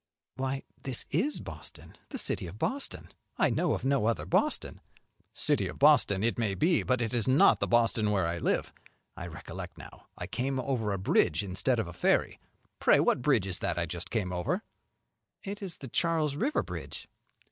"Why, this is Boston, the city of Boston. I know of no other Boston." "City of Boston it may be, but it is not the Boston where I live. I recollect now, I came over a bridge instead of a ferry. Pray what bridge is that I just came over?" "It is Charles River Bridge."